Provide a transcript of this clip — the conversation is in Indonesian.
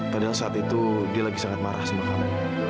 padahal saat itu dia lagi sangat marah sama kami